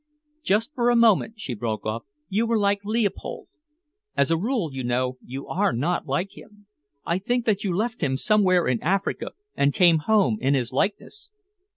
"Just for a moment," she broke off, "you were like Leopold. As a rule, you know, you are not like him. I think that you left him somewhere in Africa and came home in his likeness."